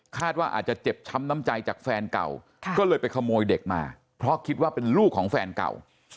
ว่าอาจจะเจ็บช้ำน้ำใจจากแฟนเก่าก็เลยไปขโมยเด็กมาเพราะคิดว่าเป็นลูกของแฟนเก่า